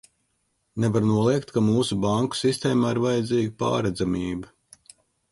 Nevar noliegt, ka mūsu banku sistēmā ir vajadzīga pārredzamība.